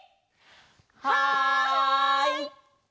はい！